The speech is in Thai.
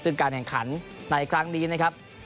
ซึ่งการแข่งขันในครั้งนี้นะครับ